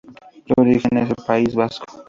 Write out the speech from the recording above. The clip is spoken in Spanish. Su origen es el País Vasco.